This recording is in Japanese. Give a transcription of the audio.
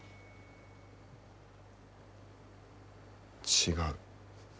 違う。